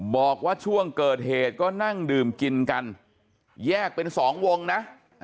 บอกว่าช่วงเกิดเหตุก็นั่งดื่มกินกันแยกเป็นสองวงนะ